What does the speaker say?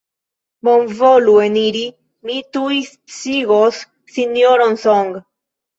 Bonvolu eniri; mi tuj sciigos Sinjoron Song.